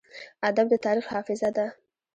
ادب د تاریخ حافظه ده.